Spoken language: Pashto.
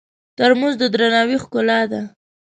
ترموز د درناوي ښکلا ده.